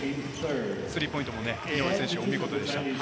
スリーポイントもお見事でした。